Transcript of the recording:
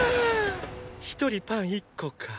一人パン１個か。